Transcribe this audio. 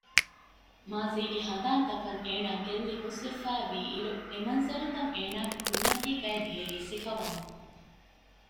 މާޒީގެ ހަނދާންތަކަށް އޭނާ ގެއްލި ހުސްވެފައިވީ އިރު އެ މަންޒަރުތައް އޭނާގެ ކުރިމަތީގައި ދިޔައީ ސިފަވަމުން